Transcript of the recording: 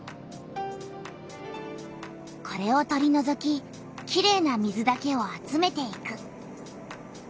これを取りのぞききれいな水だけを集めていく。